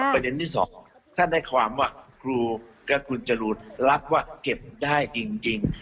ประเด็นที่สองท่านได้ความว่าครูและคุณจรูนรับว่าเก็บได้จริง